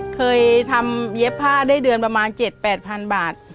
เคยทำเย็บผ้าได้เดือนประมาณ๗๘๐๐๐บาท